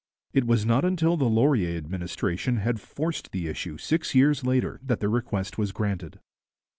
It was not until the Laurier administration had forced the issue six years later that the request was granted.